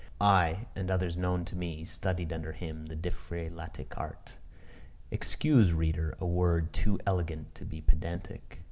I, and others known to me, studied under him the diphrelatic art. Excuse, reader, a word too elegant to be pedantic.